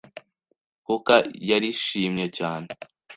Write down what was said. Hooker yarishimye cyane.